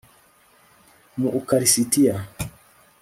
mu ukarisitiya